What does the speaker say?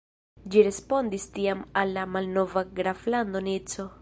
Ĝi respondis tiam al la malnova graflando Nico.